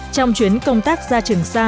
trong chuyến công tác ra trường sa